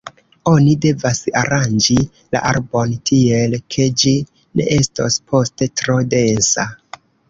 Oni devas aranĝi la arbon tiel, ke ĝi ne estos poste tro densa.